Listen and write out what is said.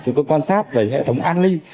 chúng tôi quan sát về hệ thống an ninh